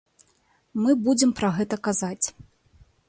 Мы будзем пра гэта казаць.